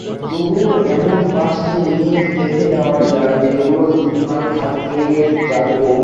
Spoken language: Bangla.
তবুও এমন পাঁচটি ইনিংস বেছে নেওয়া যায় যেগুলো স্মৃতিতে থেকে যাবে বহুদিন।